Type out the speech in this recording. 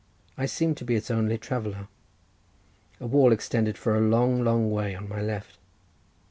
I seemed to be its only traveller—a wall extended for a long, long way on my left.